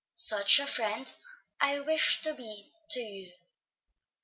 Such a friend, I wish to be to you.